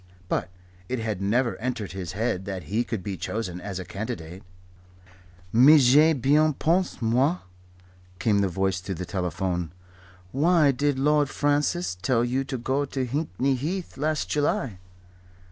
But it had never entered his head that he could be chosen as a candidate. "Mais j'y ai bien pense, moi," came the voice through the telephone. "Why did Lord Francis tell you to go to Hickney Heath last July?"